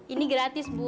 ini gratis bu